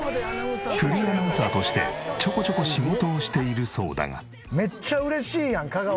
フリーアナウンサーとしてちょこちょこ仕事をしているそうだが。